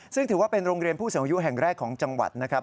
ซึ่งถือว่าเป็นโรงเรียนผู้สูงอายุแห่งแรกของจังหวัดนะครับ